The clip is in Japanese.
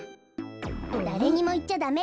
だれにもいっちゃダメよ。